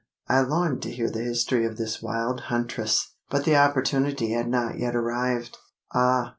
I longed to hear the history of this wild huntress; but the opportunity had not yet arrived. "Ah!"